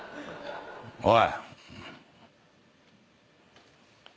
おい！